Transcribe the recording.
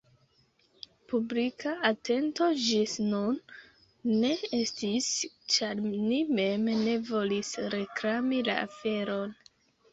Publika atento ĝis nun ne estis, ĉar ni mem ne volis reklami la aferon.